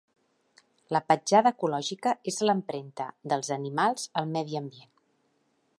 La petjada ecològica és l'empremta dels animals al medi ambient.